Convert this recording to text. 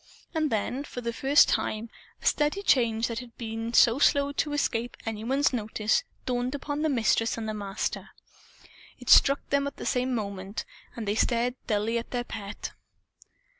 And then, for the first time, a steady change that had been so slow as to escape any one's notice dawned upon the Mistress and the Master. It struck them both at the same moment. And they stared dully at their pet.